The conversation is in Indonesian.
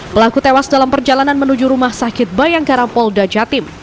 pelaku tewas dalam perjalanan menuju rumah sakit bayang karampol dajatim